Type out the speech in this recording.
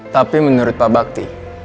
tapi menurut pak bakti